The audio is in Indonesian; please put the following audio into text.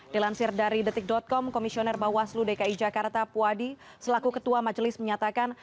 dilansir dari detik com komisioner bawaslu dki jakarta puadi selaku ketua majelis menyatakan